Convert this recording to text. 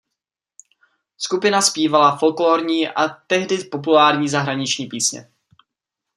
Skupina zpívala folklórní a tehdy populární zahraniční písně.